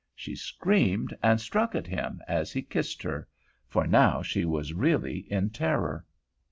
She screamed and struck at him as he kissed her; for now she was really in terror.